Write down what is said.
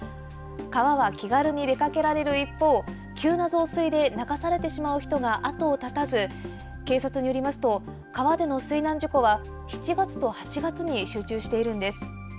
川は気軽に出かけられる一方、急な増水で流されてしまう人が後を絶たず警察によりますと川での水難事故は７月と８月に集中しているんです。